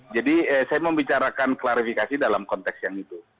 jadi saya membicarakan klarifikasi dalam konteks yang itu